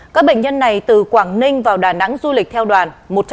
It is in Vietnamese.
các bệnh nhân này từ quảng ninh vào đà nẵng du lịch theo đoàn